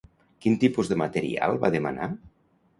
Quin tipus de material va demanar?